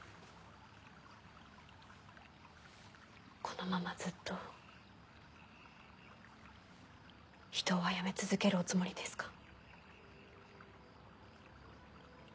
このままずっと人を殺め続けるおつもりですか？